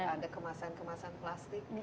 ada kemasan kemasan plastik